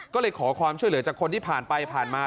ก็เลยขอความช่วยเหลือจากคนที่ผ่านไปผ่านมา